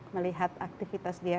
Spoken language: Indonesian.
melihat aktivitas dia